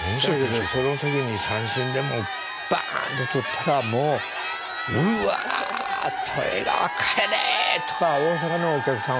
だけどその時に三振でもバンと取ったらもう「うわ江川帰れ！」とか大阪のお客さんはね。